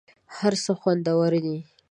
هر څه خوندور دي .